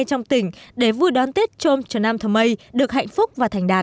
trong tỉnh để vui đón tết trôm trần nam thờ mây được hạnh phúc và thành đạt